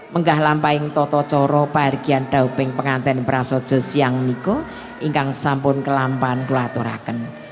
menggah lampahing toto coro paharjian daupeng pengantin prasojo siangmiko ingkang sampun kelampan kelatorakan